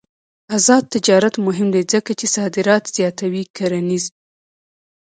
آزاد تجارت مهم دی ځکه چې صادرات زیاتوي کرنيز.